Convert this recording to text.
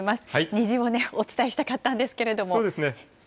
虹もお伝えしたかったんですけれども。